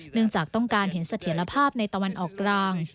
เนื่องจากต้องการเห็นเสถียรภาพในตะวันออกกลาง